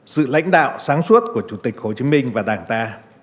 sự lãnh đạo sáng suốt của chủ tịch hồ chí minh và đảng ta